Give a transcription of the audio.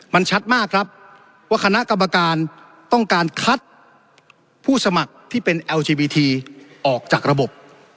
มันชัดมากครับว่าคณะกรรมการต้องการคัดผู้สมัครที่เป็นเอลจีวีทีออกจากระบบ